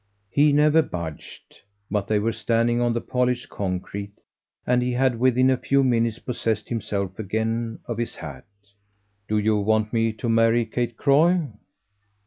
He never budged, but they were standing on the polished concrete and he had within a few minutes possessed himself again of his hat. "Do you want me to marry Kate Croy?"